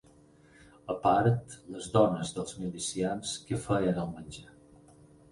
A part les dones dels milicians que feien el menjar.